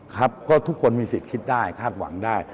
ครับก็ทุกคนมีสิทธิ์คิดได้คาดหวังได้